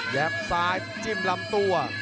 ซ้ายจิ้มลำตัว